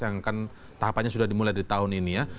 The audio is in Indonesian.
yang akan tahapannya sudah dimulai di tahun ini ya